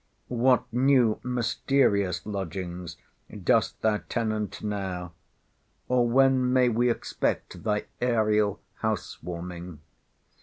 What new mysterious lodgings dost thou tenant now? or when may we expect thy aërial house warming?